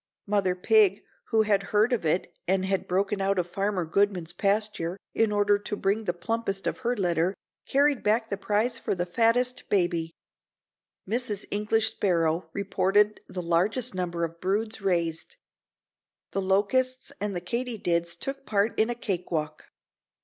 Mother Pig who had heard of it and had broken out of Farmer Goodman's pasture in order to bring the plumpest of her litter, carried back the prize for the fattest baby. Mrs. English Sparrow reported the largest number of broods raised. The locusts and the katydids took part in a cake walk.